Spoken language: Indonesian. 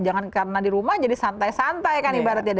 jangan karena di rumah jadi santai santai kan ibaratnya